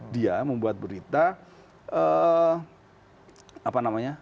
dia membuat berita apa namanya